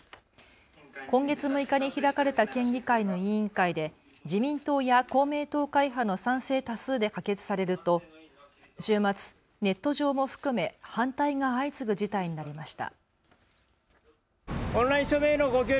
今月６日に開かれた県議会の委員会で自民党や公明党会派の賛成多数で可決されると週末、ネット上も含め反対が相次ぐ事態になりました。